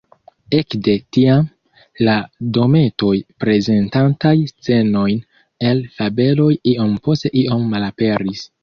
Ekde tiam, la dometoj prezentantaj scenojn el fabeloj iom post iom malaperis.